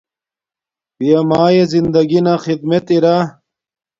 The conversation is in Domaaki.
پیا مایے زندگی نا خدمت ارا